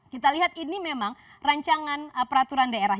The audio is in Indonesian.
kita lihat ini memang rancangan peraturan daerah